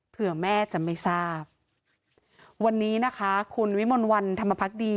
เผื่อแม่จะไม่ทราบวันนี้นะคะคุณวิมลวันธรรมพักดี